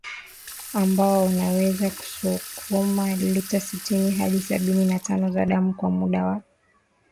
ambao unaweza kusukuma lita sitini hadi sabini na tano za damu kwa muda wa